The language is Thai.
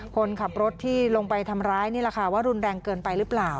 คนขับรถที่ลงไปทำร้ายนี่แหละค่ะว่ารุนแรงเกินไปหรือเปล่า